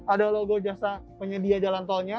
ada logo jasa penyedia jalan tolnya